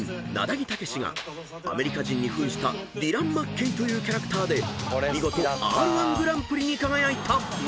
ぎ武がアメリカ人に扮したディラン・マッケイというキャラクターで見事Ｒ−１ぐらんぷりに輝いた］